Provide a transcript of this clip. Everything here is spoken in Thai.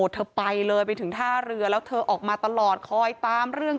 เธอไปเลยไปถึงท่าเรือแล้วเธอออกมาตลอดคอยตามเรื่อง